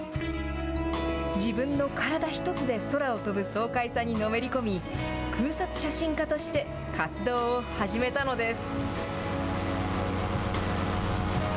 自分の体一つで空を飛ぶ爽快さにのめり込み、空撮写真家として活動を始めたのです。